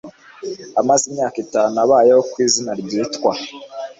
Amaze imyaka itanu abayeho ku izina ryitwa.